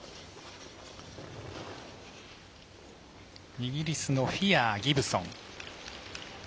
イギリスのフィアーギブソン。